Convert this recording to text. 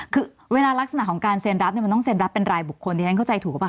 คือเวลารักษณะของการเซ็นรับเนี่ยมันต้องเซ็นรับเป็นรายบุคคลที่ฉันเข้าใจถูกหรือเปล่า